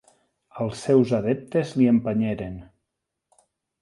Els seus adeptes l'hi empenyeren.